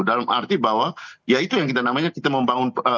dalam arti bahwa ya itu yang kita namanya kita membangun